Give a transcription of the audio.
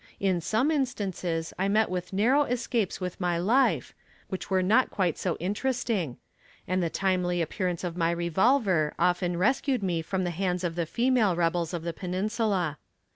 In some instances I met with narrow escapes with my life, which were not quite so interesting; and the timely appearance of my revolver often rescued me from the hands of the female rebels of the Peninsula.